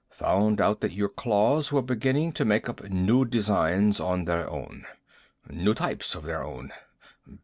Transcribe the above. Found out that your claws were beginning to make up new designs on their own. New types of their own.